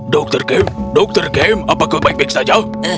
dr kem dr kem apakah baik baik saja